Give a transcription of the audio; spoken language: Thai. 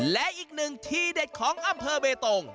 และอีกหนึ่งทีเด็ดของอำเภอเบตง